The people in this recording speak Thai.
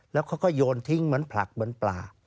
แล้วเขาก็โยนทิ้งเหมือนผลักเหมือนปลา